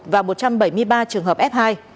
và một trăm bảy mươi ba trường hợp f hai